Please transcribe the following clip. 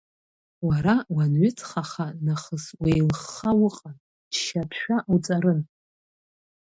Уара уанҩыҵхаха-нахыс уеилыхха уҟан, џьшьатәшәа уҵарын.